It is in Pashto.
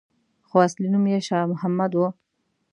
خو اصلي نوم یې شا محمد وو.